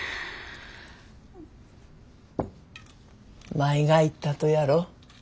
舞が言ったとやろ